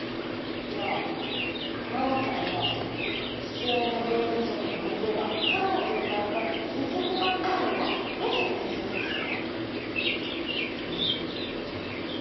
じゃあ真央ちゃんが父親の臓器移植の相手が太郎君だったって気付いてたっぽいのはどう説明するんですか？